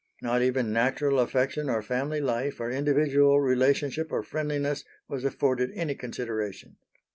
Not even natural affection or family life or individual relationship or friendliness was afforded any consideration.